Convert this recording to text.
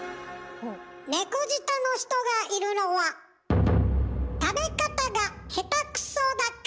猫舌の人がいるのは食べ方が下手くそだから。